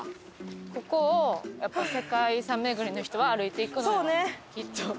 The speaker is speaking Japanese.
ここをやっぱり世界遺産巡りの人は歩いていくのよきっと。